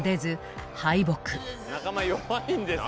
仲間弱いんですよ。